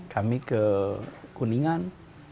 kami ke kuningan